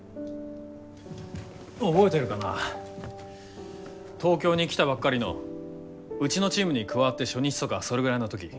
覚えてるかな東京に来たばっかりのうちのチームに加わって初日とかそれぐらいの時。